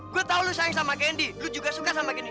gue tau lo sayang sama gendy lo juga suka sama gini